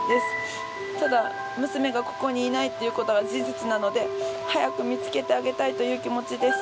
ただ娘がここにいないっていうことが事実なので早く見つけてあげたいという気持ちです。